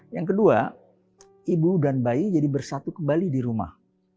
yang kedua ibu dan bayi jadi bersatu kembali di rumah